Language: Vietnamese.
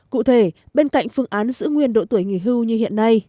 cụ thể bên cạnh phương án giữ nguyên độ tuổi nghỉ hưu như hiện nay